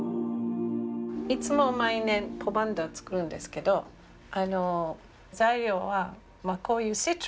いつも毎年ポマンダーを作るんですけど材料はこういうシトラスのもの